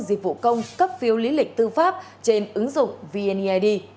dịch vụ công cấp phiếu lý lịch tư pháp trên ứng dụng vneid